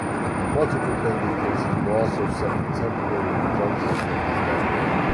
Multiple pending cases were also set for temporary injunction hearings that day.